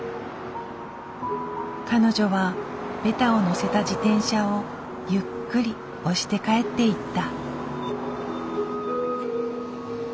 彼女はベタをのせた自転車をゆっくり押して帰っていった。